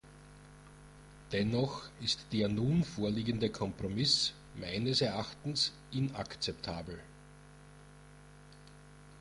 Dennoch ist der nun vorliegende Kompromiss meines Erachtens inakzeptabel.